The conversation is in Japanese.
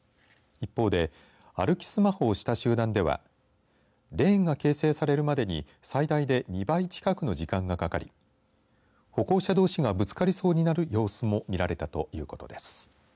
一方で歩きスマホをした集団ではレーンが形成されるまでに最大で２倍近くの時間がかかり歩行者どうしがぶつかりそうになる様子も見られたということです。